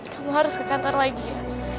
kamu harus ke qatar lagi ya